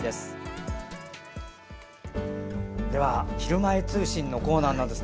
では、「ひるまえ通信」のコーナーです。